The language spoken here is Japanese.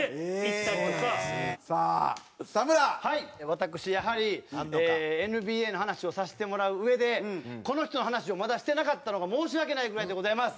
私やはりＮＢＡの話をさせてもらううえでこの人の話をまだしてなかったのが申し訳ないぐらいでございます。